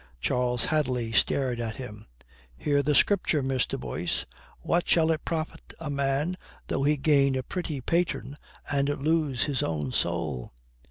Charles Hadley stared at him. "Hear the Scripture, Mr. Boyce: 'What shall it profit a man though he gain a pretty patron and lose his own soul?'"